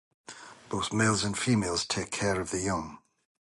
Both males and females take care of the young.